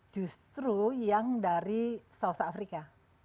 justru yang dari south afrika